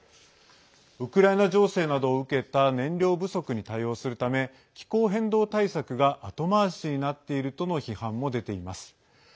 ウクライナ情勢などを受けた燃料不足に対応するため気候変動対策が後回しになっているとの批判も出ています。